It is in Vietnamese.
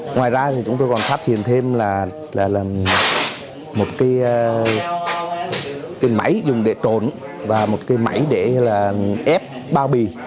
ngoài ra chúng tôi còn phát hiện thêm một cái máy dùng để trốn và một cái máy để ép bao bì